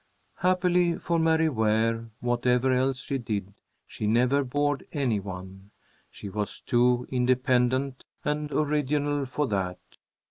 Happily for Mary Ware, whatever else she did, she never bored any one. She was too independent and original for that.